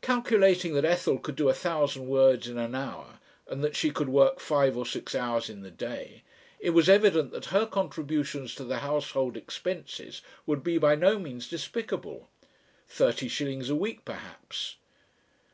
Calculating that Ethel could do a thousand words in an hour and that she could work five or six hours in the day, it was evident that her contributions to the household expenses would be by no means despicable; thirty shillings a week perhaps.